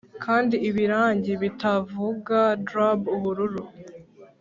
kandi ibiragi bitavuga drub ubururu